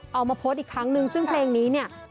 เอามาโพสต์อีกครั้งนึงซึ่งเพลงนี้เนี่ย